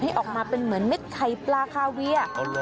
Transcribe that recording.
ออกมาเป็นเหมือนเม็ดไข่ปลาคาเวีย